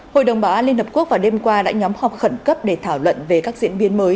hội đồng bảo an liên hợp quốc vào đêm qua đã nhóm họp khẩn cấp để thảo luận về các diễn biến mới